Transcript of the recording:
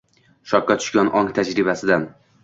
Shokka tushgan ong tajribasidan